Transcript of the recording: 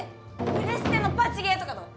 プレステのパチゲーとかどう？